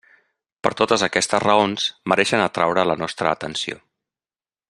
Per totes aquestes raons mereixen atraure la nostra atenció.